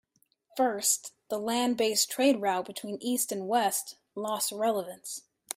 First, the land based trade route between east and west lost relevance.